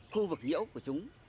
khu vực nhiễu của chúng